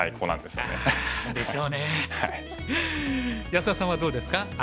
安田さんはどうですか秋。